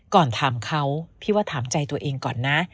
ถามเขาพี่ว่าถามใจตัวเองก่อนนะ